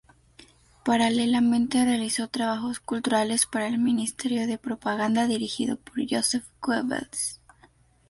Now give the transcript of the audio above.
Paralelamente realizó trabajos culturales para el Ministerio de Propaganda dirigido por Joseph Goebbels.